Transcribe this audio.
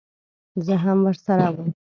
زه هم ورسره وم.